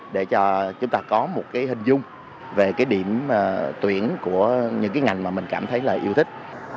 để cho chúng ta có một cái hình dung về cái điểm tuyển của những cái ngành mà mình cảm thấy là yêu thích